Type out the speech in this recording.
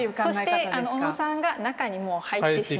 そして小野さんが中にもう入ってしまう。